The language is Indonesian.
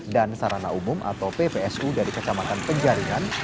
dan sarana umum atau ppsu dari kecamatan penjaringan